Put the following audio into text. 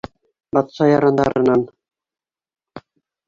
Батша ярандарынан: